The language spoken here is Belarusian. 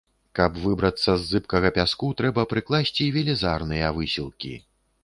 Каб выбрацца з зыбкага пяску, трэба прыкласці велізарныя высілкі.